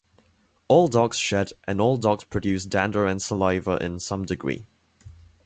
All dogs shed, and all dogs produce dander and saliva in some degree.